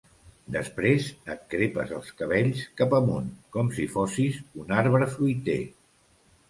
Després et crepes els cabells, cap amunt, com si fossis un arbre fruiter.